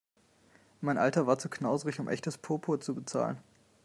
Mein Alter war zu knauserig, um echtes Purpur zu bezahlen.